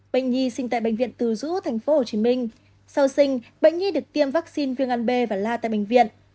bệnh nhi sinh tại bệnh viện từ dũ thành phố hồ chí minh sau sinh bệnh nhi được tiêm vaccine viêng ăn bê và la tại bệnh viện